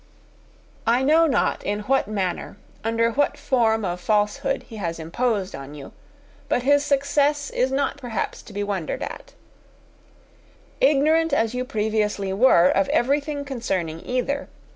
I know not in what manner, under what form of falsehood, he has imposed on you; but his success is not perhaps to be wondered at, ignorant as you previously were of everything concerning either.